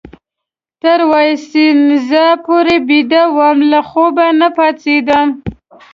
تر وایسینزا پورې بیده وم، له خوبه نه پاڅېدم.